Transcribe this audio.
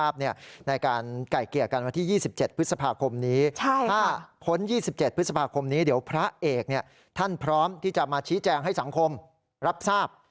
ถ้าพ้น๒๗พฤษภาคมนี้เดี๋ยวพระเอกท่านพร้อมที่จะมาชี้แจงให้สังคมรับทราบ